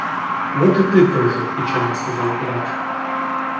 — Вот и ты тоже, — печально сказал брат.